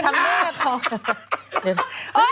ทางแม่ของ